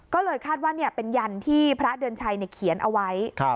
ก็เลยคาดว่าเป็นยันที่พระเดือนชัยเขียนเอาไว้